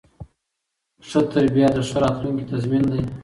ښه تربیه د ښه راتلونکي تضمین دی.